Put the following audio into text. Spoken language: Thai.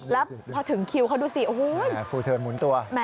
แล้วพอถึงคิวเขาดูสิโอ้โหฟูเทิร์นหมุนตัว